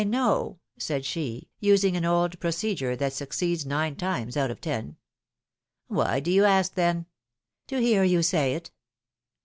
know," said she, using an old procedure that suc ^ ceeds nine times out of ten. Why do you ask, then ?" To hear you say it."